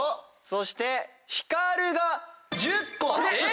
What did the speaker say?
そして光が１０個。